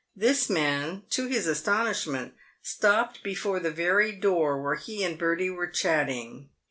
This man, to his astonishment, stopped before the very door where he and Bertie were chatting.